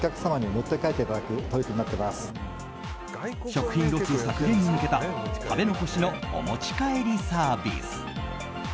食品ロス削減に向けた食べ残しのお持ち帰りサービス。